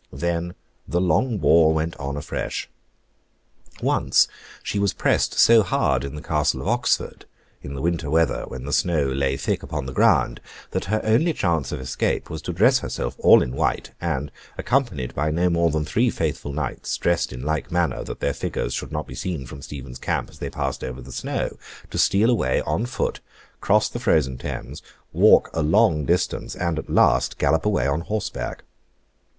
Then, the long war went on afresh. Once, she was pressed so hard in the Castle of Oxford, in the winter weather when the snow lay thick upon the ground, that her only chance of escape was to dress herself all in white, and, accompanied by no more than three faithful Knights, dressed in like manner that their figures might not be seen from Stephen's camp as they passed over the snow, to steal away on foot, cross the frozen Thames, walk a long distance, and at last gallop away on horseback.